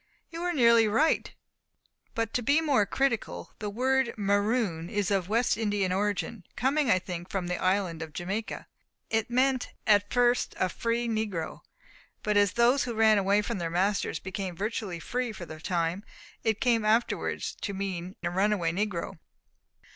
"You are nearly right; but to be more critical. The word 'maroon' is of West Indian origin coming I think from the island of Jamaica. It meant at first a free negro. But as those who ran away from their masters became virtually free for the time, it came afterwards to mean a runaway negro.